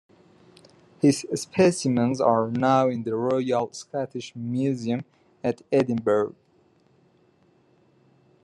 His specimens are now in the Royal Scottish Museum at Edinburgh.